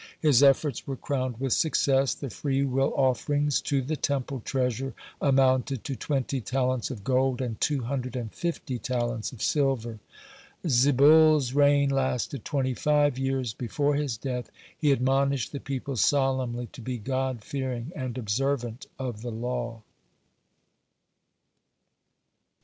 His efforts were crowned with success. The free will offerings to the temple treasure amounted to twenty talents of gold and two hundred and fifty talents of silver. Zebul's reign lasted twenty five years. Before his death he admonished the people solemnly to be God fearing and observant of the law.